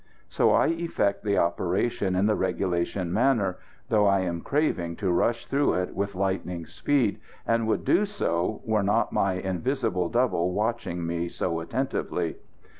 So I effect the operation in the regulation manner, though I am craving to rush through it with lightning speed, and would do so, were not my invisible double watching me so attentively.